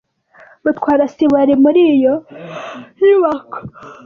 Mutwara sibo yari muri iyo nyubako.